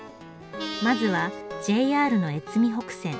まずはＪＲの越美北線